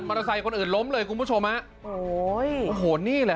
เตอร์ไซค์คนอื่นล้มเลยคุณผู้ชมฮะโอ้โหนี่แหละ